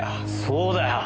そうだよ